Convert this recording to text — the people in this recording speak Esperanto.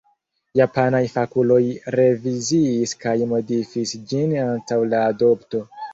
Japanaj fakuloj reviziis kaj modifis ĝin antaŭ la adopto.